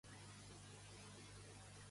Què havia sol·licitat la fiscalia per a Mas?